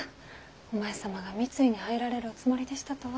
お前様が三井に入られるおつもりでしたとは。